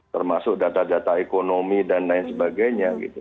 termasuk data data ekonomi dan lain sebagainya gitu